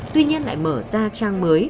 tuy nhiên lại mở ra trang mới